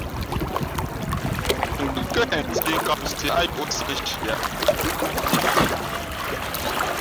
Ngα̌ kάghen ndǐh kāmsiē á yǒhsī nshi ā.